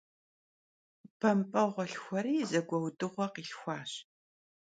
Bemp'eğue lhxueri zegueudığue khilhxuaş.